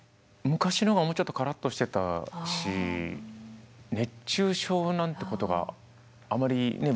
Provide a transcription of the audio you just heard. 昔の方がもうちょっとカラッとしてたし熱中症なんてことがあまりね